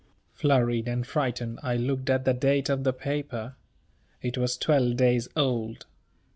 Flurried and frightened, I looked at the date of the paper. It was twelve days old.